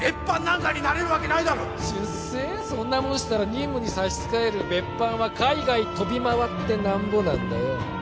そんなもんしたら任務に差し支える別班は海外飛び回ってなんぼなんだよ